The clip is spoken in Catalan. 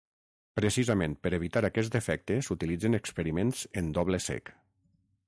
Precisament per evitar aquest efecte s'utilitzen experiments en doble cec.